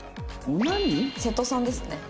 瀬戸さんですね。